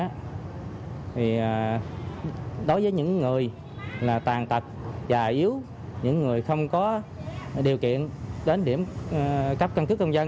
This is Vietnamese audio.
thì đối với những người là tàn tật và yếu những người không có điều kiện đến điểm cấp căn cước công dân